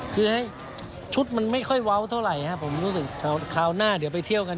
คือให้ชุดมันไม่ค่อยเว้าเท่าไหร่ครับผมรู้สึกคราวหน้าเดี๋ยวไปเที่ยวกัน